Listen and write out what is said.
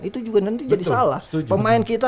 itu juga nanti jadi salah pemain kita